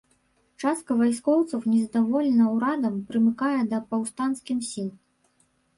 Частка вайскоўцаў незадаволена ўрадам прымыкае да паўстанцкім сіл.